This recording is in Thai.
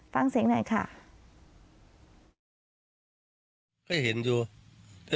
ฟังเสียงหน่อยค่ะ